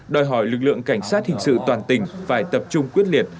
đòi hỏi lực lượng cảnh sát hình sự toàn tỉnh phải tập trung quyết liệt